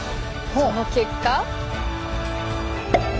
その結果。